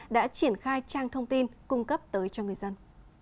đã triển khai trang thông tin cung cấp tới cho người dân